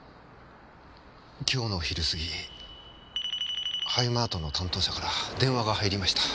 今日の昼過ぎハイマートの担当者から電話が入りました。